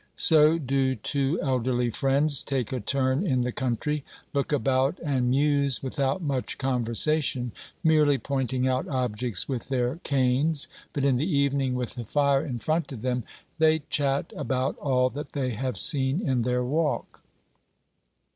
So do two elderly friends take a turn in the country, look about and muse without much conversation, merely pointing out objects with their canes, but in the evening, with the fire in front of them, they chat about all that they have seen in their walk.